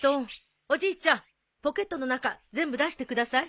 おじいちゃんポケットの中全部出してください。